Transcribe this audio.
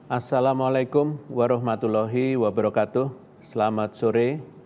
assalamu alaikum warahmatullahi wabarakatuh selamat sore